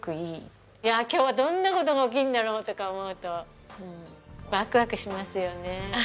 今日はどんな事が起きるんだろうとか思うとわくわくしますよね。